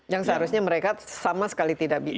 yang seharusnya mereka sama sekali tidak bisa